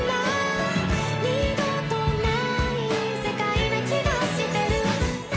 「二度とない世界な気がしてる」